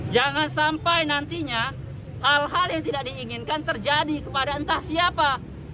jangan sampai nantinya hal hal yang tidak diinginkan terjadi kepada entah siapa